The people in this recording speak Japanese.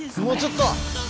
もうちょっと。